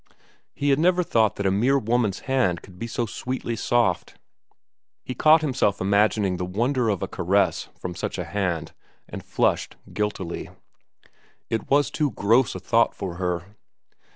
He had never thought that a mere woman's hand could be so sweetly soft. He caught himself imagining the wonder of a caress from such a hand, and flushed guiltily. It was too gross a thought for her.